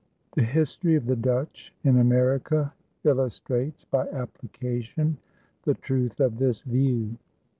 The history of the Dutch in America illustrates by application the truth of this view.